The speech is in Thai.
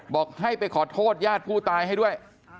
บอกให้ไปขอโทษญาติผู้ตายให้ด้วย